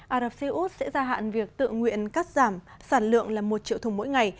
arapseus sẽ gia hạn việc tự nguyện cắt giảm sản lượng một triệu thùng mỗi ngày